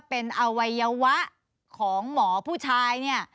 เป็นอวัยวะของหมอผู้ชายเนี่ย